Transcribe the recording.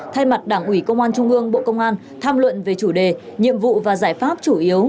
thay mặt đảng ủy công an trung ương bộ công an tham luận về chủ đề nhiệm vụ và giải pháp chủ yếu